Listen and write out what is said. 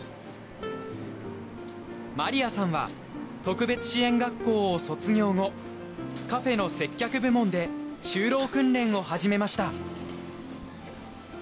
マリアさんは特別支援学校を卒業後カフェの接客部門で就労訓練を始めました。